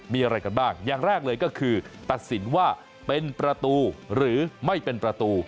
มีอะไรกันบ้างอย่างแรกเลยก็คือตัดสินว่าเป็นประตูหรือไม่เป็นประตู